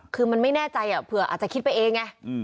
คือมันไม่แน่ใจเผื่ออาจจะคิดไปเองไง